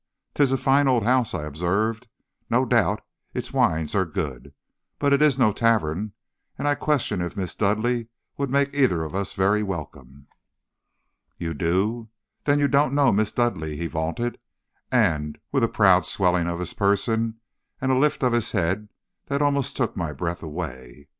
''Tis a fine old house,' I observed. 'No doubt its wines are good. But it is no tavern, and I question if Miss Dudleigh would make either of us very welcome.' "'You do! Then you don't know Miss Dudleigh,' he vaunted, with a proud swelling of his person, and a lift of his head that almost took my breath away.